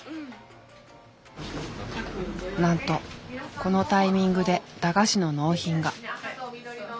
なんとこのタイミングで駄菓子の納品が。